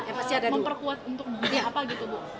ya maksudnya memperkuat untuk apa gitu bu